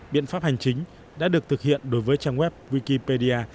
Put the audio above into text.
biện pháp hành chính đã được thực hiện đối với trang web wikipedia